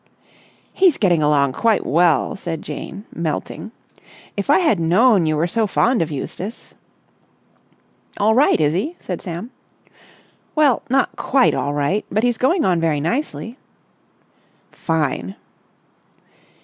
"He's getting along quite well," said Jane, melting. "If I had known you were so fond of Eustace...." "All right, is he?" said Sam. "Well, not quite all right, but he's going on very nicely." "Fine!"